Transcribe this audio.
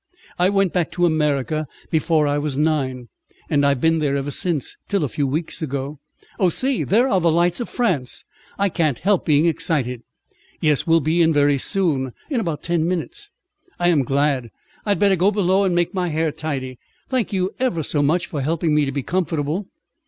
"I went back to America before I was nine, and I've been there ever since, till a few weeks ago. Oh see, there are the lights of France! I can't help being excited." "Yes, we'll be in very soon in about ten minutes." "I am glad! I'd better go below and make my hair tidy. Thank you ever so much for helping me to be comfortable."